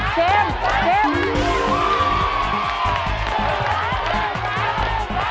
เตรียม